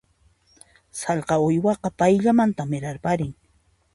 Sallqa uywaqa payllamanta mirarparin.